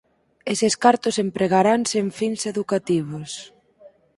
Eses cartos empregaranse en fins educativos.